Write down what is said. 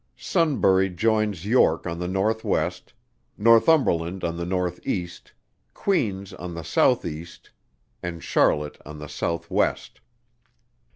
SUNBURY. Joins York on the North West, Northumberland on the North East, Queen's on the South East, and Charlotte on the South West.